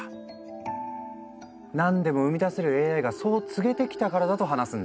何でも生み出せるＡＩがそう告げてきたからだと話すんだ。